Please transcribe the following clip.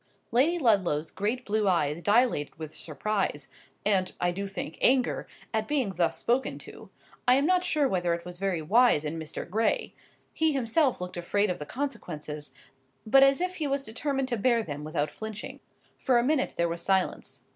Lady Ludlow's great blue eyes dilated with surprise, and—I do think—anger, at being thus spoken to. I am not sure whether it was very wise in Mr. Gray. He himself looked afraid of the consequences but as if he was determined to bear them without flinching. For a minute there was silence.